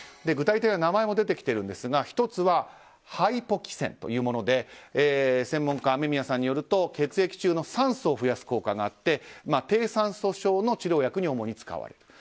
具体的な名前も出てきているんですが１つはハイポキセンというもので専門家、雨宮さんによると血液中の酸素を増やす効果があって低酸素症の治療薬に主に使われる。